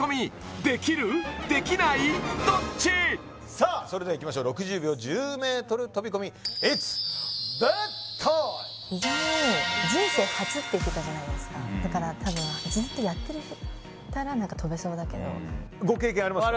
さあそれではいきましょう６０秒１０ｍ飛び込み人生初って言ってたじゃないですかだから多分やってたらとべそうだけどご経験ありますか？